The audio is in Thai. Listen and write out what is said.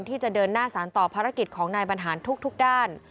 ที่จะเดินหน้าสารต่อภารกิจของนายบรรหารทุกด้าน